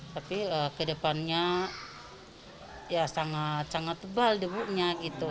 tapi ke depannya sangat tebal debunya